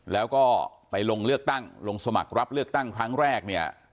แล้วก็ไปลงเลือกตั้งลงสมัครรับเลือกตั้งครั้งแรกเนี่ย